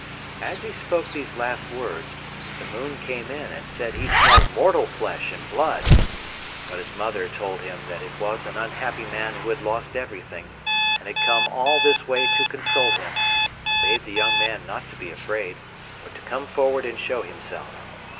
As he spoke these last words, the moon came in and said he smelt mortal flesh and blood. But his mother told him that it was an unhappy man who had lost everything, and had come all this way to consult him, and bade the young man not to be afraid, but to come forward and show himself.